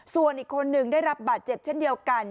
ส่วนอีกคนนึงได้รับบาดเจ็บเช่นเดียวกัน